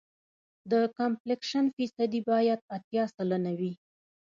د کمپکشن فیصدي باید اتیا سلنه وي